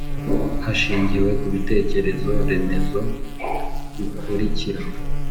hashingiwe ku bitekerezo remezo bikurikira: